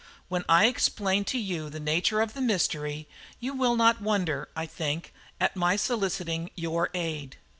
When I explain to you the nature of the mystery, you will not wonder, I think, at my soliciting your aid."